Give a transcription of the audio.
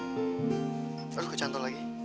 terus ke cantol lagi